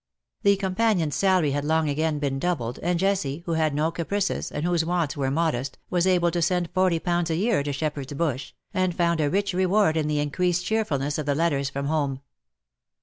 The companion's salary had long ago been doubled, and Jessie, who had no caprices, and whose wants were modest, was able to send forty pounds a year to Shepherd's Bush, and found a rich IN SOCIETY. 173 reward in the increased clieerfulness of the letters from home.